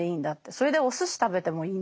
それでお寿司食べてもいいんだって。